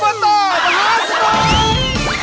อบตขอแรง